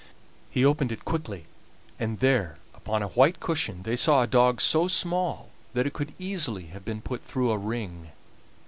He opened it quickly, and there upon a white cushion they saw a dog so small that it could easily have been put through a ring.